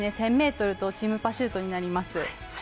１０００ｍとチームパシュートになります。